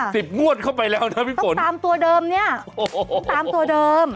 สิบงวดเข้าไปแล้วนะพี่ฝนต้องตามตัวเดิมเนี่ยต้องตามตัวเดิม